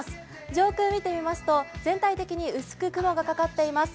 上空見てみますと、全体的に薄く雲がかかっています。